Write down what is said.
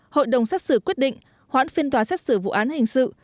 hội đồng xét xử quyết định hoãn phiên tòa xét xử vụ án hình sự